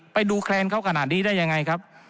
ไปดูแคลนเขาขนาดนี้ได้ยังไงครับ